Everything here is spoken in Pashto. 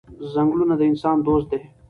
ځنګلونه د انسان دوست دي.